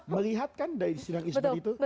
melihat kan dari sidang isbat itu